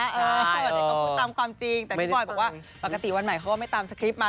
สวัสดีก็พูดตามความจริงแต่พี่บอยบอกว่าปกติวันใหม่เขาก็ไม่ตามสคริปต์มา